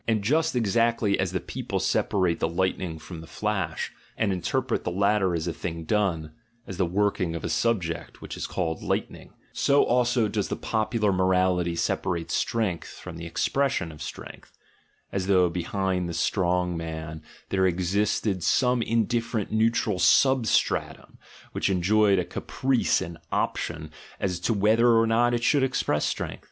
And just exactly as the people separate the lightning from 28 THE GENEALOGY OF MORALS its flash, and interpret the latter as a thing done, as the working of a subject which is called lightning, so also does the popular morality separate strength from the expression of strength, as though behind the strong man there existed some indifferent neutral substratum, which enjoyed a caprice and option as to whether or not it should express strength.